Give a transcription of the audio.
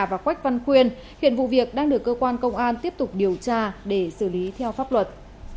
và quách văn khuyên hiện vụ việc đang được cơ quan công an tiếp tục điều tra để xử lý theo pháp luật